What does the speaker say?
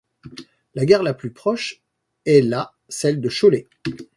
La gare la plus proche est la celle de Cholet.